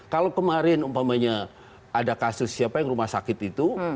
kalau kemarin umpamanya ada kasus siapa yang rumah sakit itu